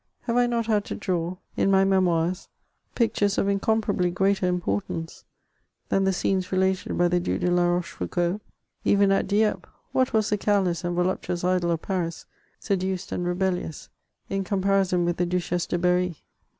Have I not had to draw, in my Memoirs, pictures of incomparably greater importance than the scenes related by the Due de Larochefoucauld ? Even at Dieppe, what was the careless and voluptuous idol of Paris, seduced and rebellious, in comparison with the Duchesse de Berry